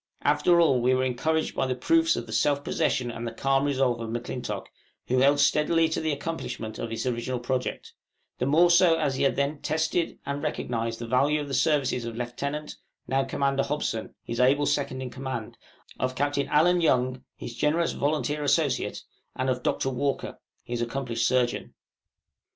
Above all, we were encouraged by the proofs of the self possession and calm resolve of M'Clintock, who held steadily to the accomplishment of his original project; the more so as he had then tested and recognized the value of the services of Lieutenant (now Commander) Hobson, his able second in command; of Captain Allen Young, his generous volunteer associate; and of Dr. Walker, his accomplished Surgeon.